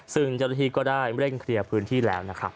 ซึ่งเจ้าหน้าที่ก็ได้เร่งเคลียร์พื้นที่แล้วนะครับ